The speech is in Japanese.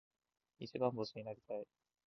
一番星になりたい。